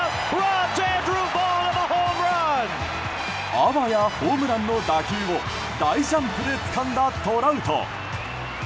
あわやホームランの打球を大ジャンプでつかんだトラウト。